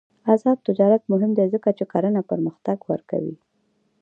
آزاد تجارت مهم دی ځکه چې کرنه پرمختګ ورکوي.